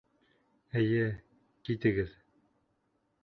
Эйе, китегеҙ!